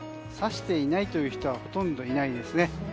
さしていないという人はほとんどいないですね。